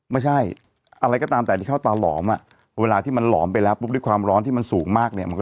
ไม่ใช่อะไรก็ตามแต่ที่เข้าตาหลอมเวลาที่มันหลอมไปแล้วปุ๊บด้วยความร้อนที่มันสูงมากเนี่ย